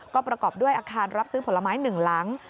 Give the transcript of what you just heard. ก็ประกอบด้วยอาคารรับซื้อผลไม้๑หลัง